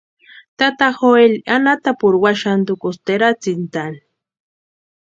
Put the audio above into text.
Tata Joeli anatapurhu waxantukusti eratsintʼani.